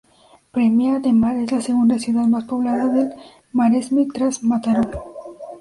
Premiá de Mar, es la segunda ciudad más poblada del Maresme tras Mataró.